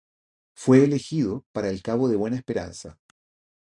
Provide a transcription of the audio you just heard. Fue elegido para el Cabo de Buena Esperanza.